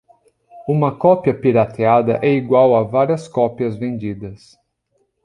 Uma cópia "pirateada" é igual a várias cópias vendidas.